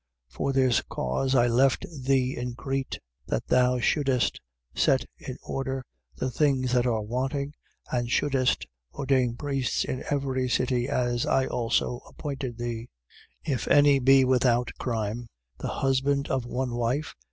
1:5. For this cause I left thee in Crete: that thou shouldest set in order the things that are wanting and shouldest ordain priests in every city, as I also appointed thee: 1:6. If any be without crime, the husband of one wife.